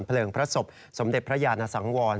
เพลิงพระศพสมเด็จพระยานสังวร